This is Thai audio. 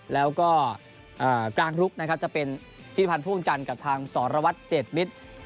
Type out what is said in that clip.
แล้วก็กลางลุกนะครับจะเป็นพิพันธ์พ่วงจันทร์กับทางสรวัตรเดชมิตร